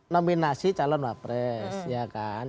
nominasi calon wapres ya kan